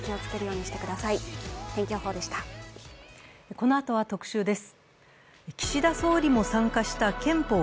このあとは特集です。